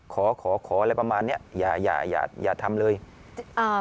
ขอขอขออะไรประมาณเนี้ยอย่าอย่าอย่าอย่าอย่าทำเลยอ่า